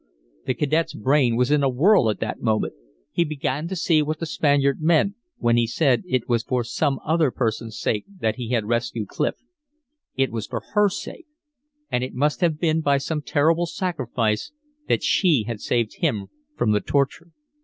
The cadet's brain was in a whirl at that moment. He began to see what the Spaniard meant when he said it was for some other person's sake that he had rescued Clif. It was for her sake! And it must have been by some terrible sacrifice that she had saved him from the torture.